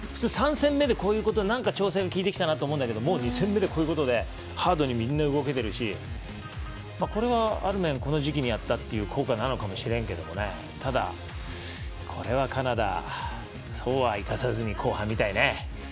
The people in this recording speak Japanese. ３戦目でこういうことで調整きいてきたかなと思うけどこういうことでハードにみんな動けてるしこれはある面この時期にやったっていう効果なのかもしれないけどただ、これはカナダそうはいかさずに、後半見たいね。